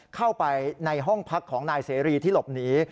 เข้าไปในห้องพักของนายเสรีที่หลบหนี